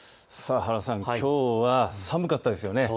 原さん、きょうは寒かったですよね。